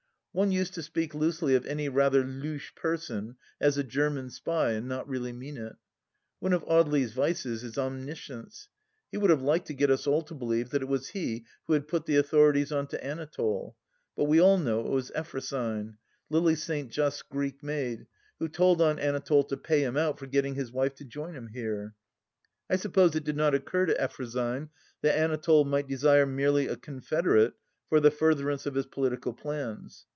One used to speak loosely of any rather louche person as a " German spy," and not really mean it. One of Audely's vices is omniscience. He would have liked to get us all to believe that it was he who had put the authorities on to Anatole, but we all know it was Effrosyne, Lily St. Just's Greek maid, who told on Anatole to pay him out for getting his wife to join him here. I suppose it did not occur to Effrosyne that Anatole might desire merely a confederate for the furtherance of his political plans.